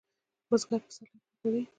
بزګر پسرلی خوښوي